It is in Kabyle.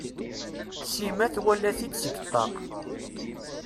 Sima twala-t-id seg ṭṭaq.